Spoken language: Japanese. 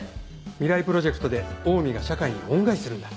未来プロジェクトでオウミが社会に恩返しするんだ。